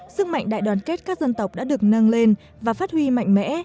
sức mạnh đại đoàn kết các dân tộc đã được nâng lên và phát huy mạnh mẽ